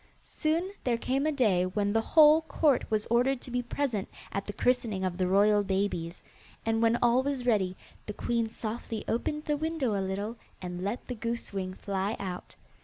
Soon there came a day when the whole court was ordered to be present at the christening of the royal babies, and when all was ready the queen softly opened the window a little, and let the goose wing fly out.